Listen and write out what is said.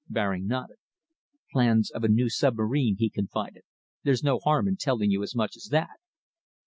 Baring nodded. "Plans of a new submarine," he confided. "There's no harm in telling you as much as that."